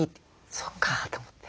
そっかと思って。